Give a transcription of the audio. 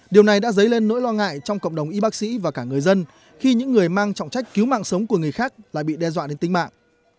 điều này đã dấy lên nỗi lo ngại trong cộng đồng y bác sĩ và cả người dân khi những người mang trọng trách cứu mạng sống của người khác lại bị đe dọa đến tính mạng